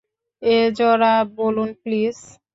Ezra বলুন please.